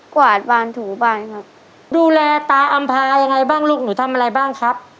กวาดบานถูบานครับดูแลตาอำภายังไงบ้างลูกหนูทำอะไรบ้างครับ